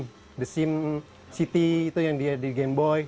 the sim city itu yang dia di gameboy